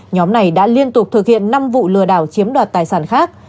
nhóm này đã liên tục thực hiện năm vụ lừa đảo chiếm đoạt tài sản khác